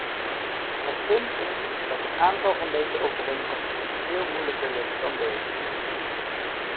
Het punt is dat een aantal van deze overeenkomsten veel moeilijker ligt dan deze.